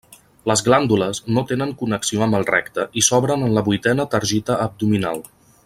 Les glàndules no tenen connexió amb el recte i s'obren en la vuitena tergita abdominal.